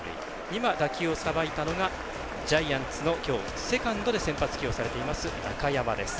今、打球をさばいたのがジャイアンツのきょうセカンドで先発起用されている中山です。